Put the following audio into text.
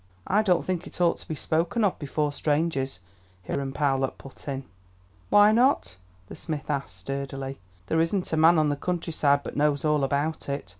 "I don't think it ought to be spoken of before strangers," Hiram Powlett put in. "Why not?" the smith asked, sturdily. "There isn't a man on the country side but knows all about it.